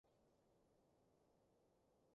蒜蓉粉絲蒸扇貝